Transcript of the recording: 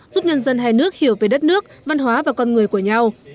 giúp nhân dân hai nước hiểu về đất nước văn hóa và con người của nhau